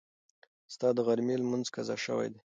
ستا د غرمې لمونځ قضا شوی دی.